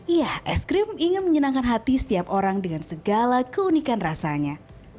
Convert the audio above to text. iya es krim ingin menyenangkan hati setiap orang dengan segala keunikan rasanya